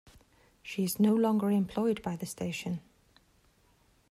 She is no longer employed by the station.